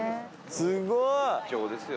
すごい！